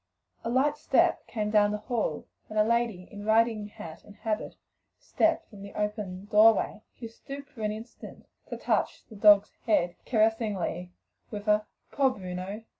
A light step came down the hall, and a lady in riding hat and habit stepped from the open doorway, stooped for an instant to touch the dog's head caressingly with a "Poor Bruno!